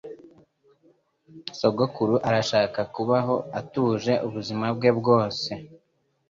Sogokuru arashaka kubaho atuje ubuzima bwe bwose.